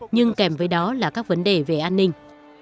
nhưng kèm với đó là các vấn đề về an ninh